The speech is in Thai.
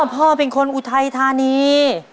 พ่อเป็นคนอุทัยธานี